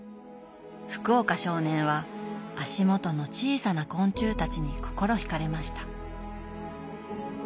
福岡少年は足元の小さな昆虫たちに心ひかれました。